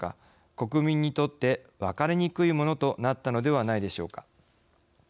国民にとって分かりにくいものとなったのではないでしょうか。